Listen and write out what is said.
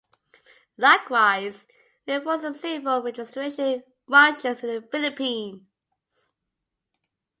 Likewise, it enforces the civil registration functions in the Philippines.